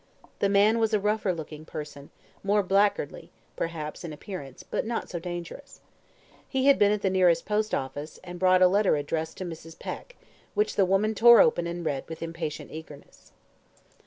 The man was a rougher looking person, more blackguardly, perhaps, in appearance, but not so dangerous. He had been at the nearest post office, and brought a letter addressed to Mrs. Peck, which the woman tore open and read with impatient eagerness.